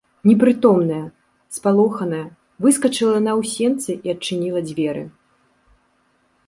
Непрытомная, спалоханая выскачыла яна ў сенцы і адчыніла дзверы.